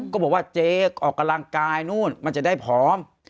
ก็บอกว่าเจ๊ออกกำลังกายนู่นมันจะได้ผอม